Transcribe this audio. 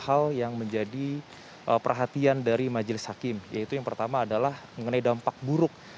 hal yang menjadi perhatian dari majelis hakim yaitu yang pertama adalah mengenai dampak buruk